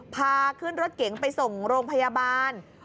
พาขึ้นรถเก๋งไปส่งโรงพยาบาล